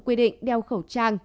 quy định đeo khẩu trang